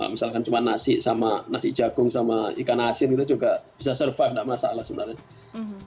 misalkan cuma nasi sama nasi jagung sama ikan asin itu juga bisa survive tidak masalah sebenarnya